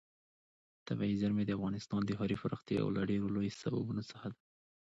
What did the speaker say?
طبیعي زیرمې د افغانستان د ښاري پراختیا یو له ډېرو لویو سببونو څخه ده.